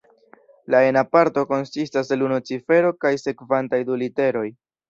La ena parto konsistas el unu cifero kaj sekvantaj du literoj.